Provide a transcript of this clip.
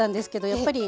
やっぱり